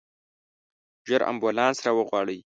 ژر امبولانس راوغواړئ.